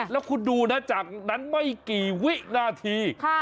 แล้วคุณดูนะจากนั้นไม่กี่วินาที